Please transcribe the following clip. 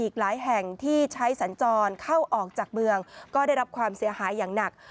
เข้าออกจากเมืองก็ได้รับความเสียหายอย่างหนัก